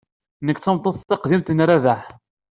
Nekk d tameṭṭut taqdimt n Rabaḥ.